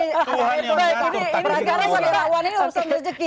ini kalau soal keberadaan ini urusan rezeki